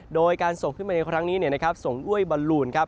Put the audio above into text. โดยการส่งขึ้นไปในครั้งนี้ส่งด้วยบัลลูน